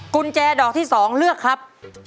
กุญแจดอกที่๒เลือกครับ